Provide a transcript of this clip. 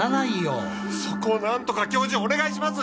そこをなんとか教授お願いします！